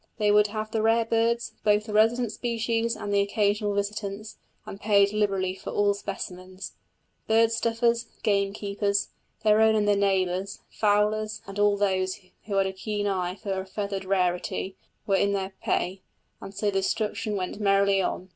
They would have the rare birds, both the resident species and the occasional visitants, and paid liberally for all specimens. Bird stuffers, gamekeepers their own and their neighbours' fowlers, and all those who had a keen eye for a feathered rarity, were in their pay; and so the destruction went merrily on.